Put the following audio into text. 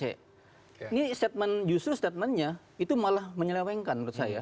ini statement justru statementnya itu malah menyelewengkan menurut saya